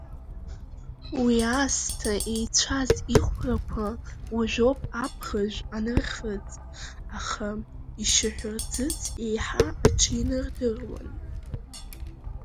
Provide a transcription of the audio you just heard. Уи аасҭа еицәаз ихәрақәа уажәоуп абӷажә анырхыҵ, аха ишьаҳәырӡыӡ еиҳа аҽинардыруан.